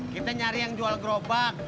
kita nyari yang jual gerobak